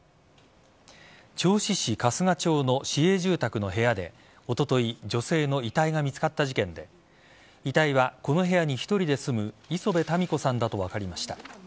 銚子市春日町の市営住宅の部屋でおととい女性の遺体が見つかった事件で遺体はこの部屋に１人で住む礒辺たみ子さんだと分かりました。